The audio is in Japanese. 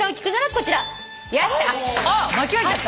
やったあっ間違えちゃった。